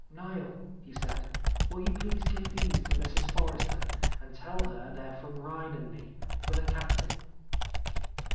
"Niel," he said, "will you please give these to Mrs. Forrester, and tell her they are from Rhein and me, for the Captain?"